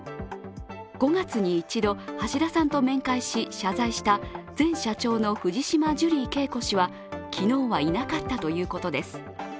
５月に１度、橋田さんと面会し謝罪した前社長の藤島ジュリー景子氏は昨日はいなかったということです。